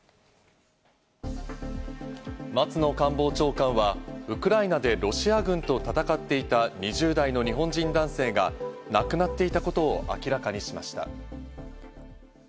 松野官房長官はウクライナでロシア軍と戦っていた２０代の日本人男性が亡くなっていたことを明らかにしました。